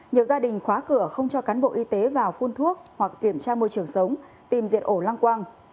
nhiều gia đình khóa cửa không cho cán bộ y tế vào phun thuốc hoặc kiểm tra môi trường sống tìm diệt ổ lang quang